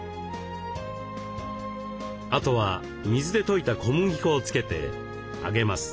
あとは水で溶いた小麦粉をつけて揚げます。